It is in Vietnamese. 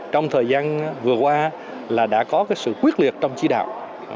trong thời gian vừa qua là đã có sự quyết liệt trong chỉ đạo